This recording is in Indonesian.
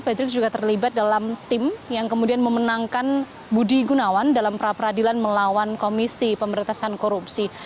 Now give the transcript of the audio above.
fredrik juga terlibat dalam tim yang kemudian memenangkan budi gunawan dalam pra peradilan melawan komisi pemberantasan korupsi